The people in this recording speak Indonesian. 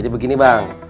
jadi begini bang